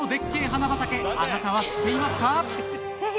花畑あなたは知っていますか？